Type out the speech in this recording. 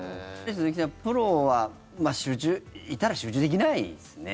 鈴木さん、プロは集中いたら、集中できないですね。